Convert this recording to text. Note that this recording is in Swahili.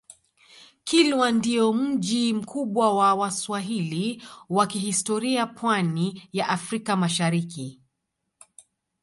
kilwa ndio mji mkubwa wa waswahili wa kihistoria pwani ya afrika mashariki